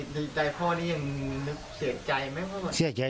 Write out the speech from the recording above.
ในใจพ่อนี้ยังนึกเสียใจไหม